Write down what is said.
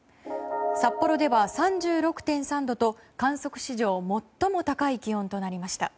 札幌では３６．３度と観測史上最も高い気温となりました。